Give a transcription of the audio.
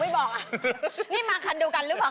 ผมไม่บอกมาคันเดียวกันหรือเปล่า